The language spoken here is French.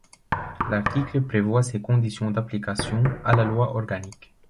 L'article prévoit ses conditions d'application à la loi organique.